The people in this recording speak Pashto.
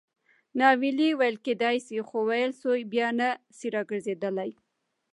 ناویلي ویل کېدای سي؛ خو ویل سوي بیا نه سي راګرځېدلای.